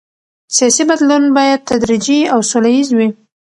سیاسي بدلون باید تدریجي او سوله ییز وي